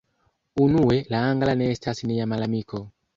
Unue, la angla ne estas nia malamiko.